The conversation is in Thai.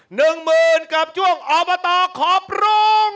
หนึ่งหมื่นกับช่วงอบตขอปรุง